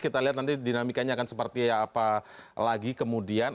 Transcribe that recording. kita lihat nanti dinamikanya akan seperti apa lagi kemudian